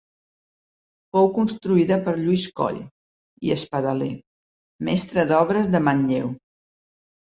Fou construïda per Lluís Coll i Espadaler, mestre d'obres de Manlleu.